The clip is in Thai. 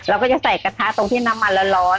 เราก็จะใส่กระทะตรงที่น้ำมันร้อน